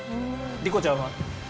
莉子ちゃんは？